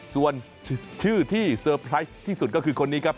ส่วนชื่อที่เซอร์ไพรส์ที่สุดก็คือคนนี้ครับ